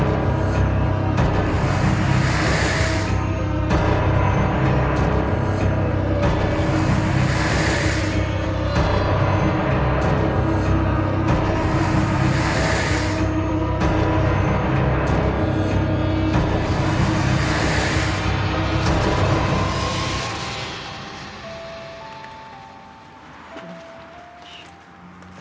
โปรดติดตามต่อไป